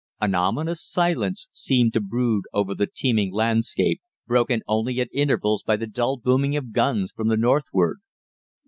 An ominous silence seemed to brood over the teeming landscape, broken only at intervals by the dull booming of guns from the northward.